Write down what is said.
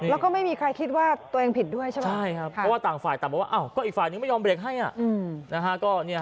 แล้วก็ไม่มีใครคิดว่าตัวเองผิดด้วยใช่ไหมใช่ครับเพราะว่าต่างฝ่ายต่างบอกว่าก็อีกฝ่ายนึงไม่ยอมเบรกให้นะฮะ